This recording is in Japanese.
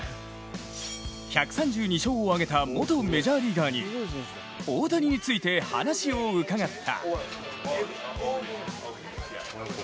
１３２勝を挙げた元メジャーリーガーに大谷について話を伺った。